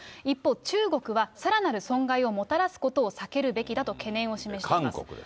一方、中国はさらなる損害をもたらすことを避けるべきだと懸念を示して韓国ですね。